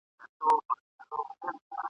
چي هر څوک پر لاري ځي ده ته عیبجن وي !.